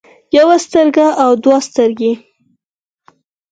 يوه سترګه او دوه سترګې